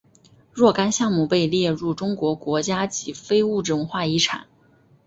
若干项目被列入中国国家级非物质文化遗产。